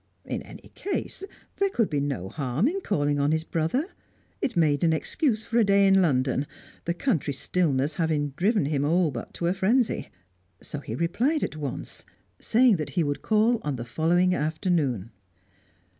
In any case, there could be no harm in calling on his brother; it made an excuse for a day in London, the country stillness having driven him all but to frenzy. So he replied at once, saying that he would call on the following afternoon.